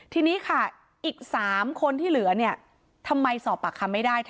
ทีนี้ค่ะอีก๓คนที่เหลือเนี่ยทำไมสอบปากคำไม่ได้